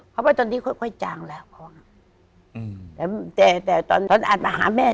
เพราะว่าตอนนี้ค่อยค่อยจางแล้วแต่แต่ตอนตอนอัดมาหาแม่